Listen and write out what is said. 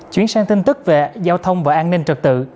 chuyển sang tin tức về giao thông và an ninh trật tự